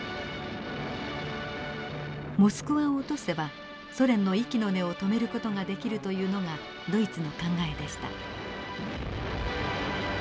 モスクワを落とせばソ連の息の根を止める事ができるというのがドイツの考えでした。